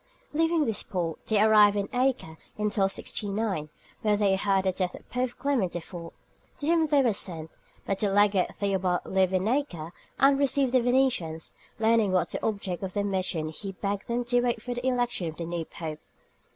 Leaving this port, they arrived at Acre in 1269, where they heard of the death of Pope Clement IV., to whom they were sent, but the legate Theobald lived in Acre and received the Venetians; learning what was the object of their mission he begged them to wait for the election of the new Pope.